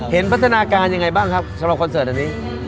พัฒนาการยังไงบ้างครับสำหรับคอนเสิร์ตอันนี้